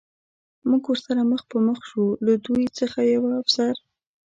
موږ ورسره مخ په مخ شو، له دوی څخه یوه افسر.